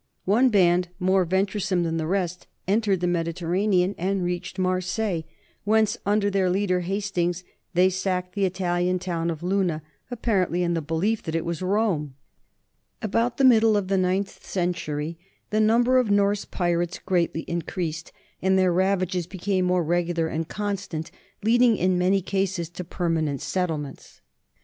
One band more venture some than the rest, entered the Mediterranean and reached Marseilles, whence under their leader Hastings they sacked the Italian town of Luna, apparently in the belief that it was Rome. 34 NORMANS IN EUROPEAN HISTORY About the middle of the ninth century the number of the Norse pirates greatly increased and their ravages became more regular and constant, leading in many cases to permanent settlements.